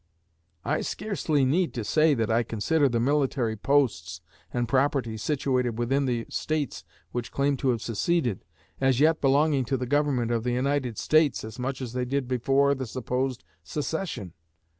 I scarcely need to say that I consider the military posts and property situated within the States which claim to have seceded, as yet belonging to the Government of the United States as much as they did before the supposed secession.